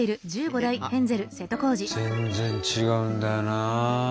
全然違うんだよな。